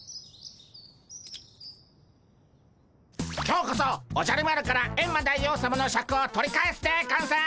今日こそおじゃる丸からエンマ大王さまのシャクを取り返すでゴンス！